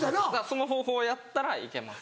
その方法をやったらいけます。